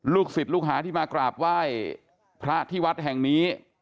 ศิษย์ลูกหาที่มากราบไหว้พระที่วัดแห่งนี้